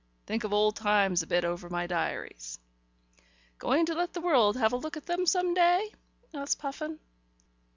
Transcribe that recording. Think of old times a bit over my diaries." "Going to let the world have a look at them some day?" asked Puffin.